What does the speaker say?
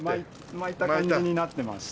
巻いた感じになってまして。